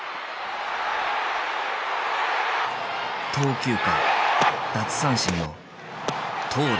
投球回奪三振の投打